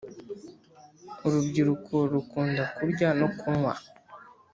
Urubyiruko rukunda kurya no kunywa